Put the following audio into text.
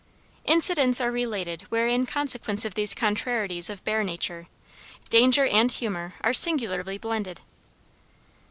Incidents are related where in consequence of these contrarieties of bear nature, danger and humor are singularly blended.